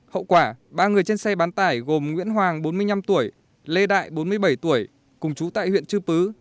hậu quả ba người trên xe bán tải gồm nguyễn hoàng bốn mươi năm tuổi lê đại bốn mươi bảy tuổi cùng chú tại huyện chư pứ